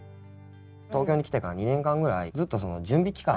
東京に来てから２年間ぐらいずっとその準備期間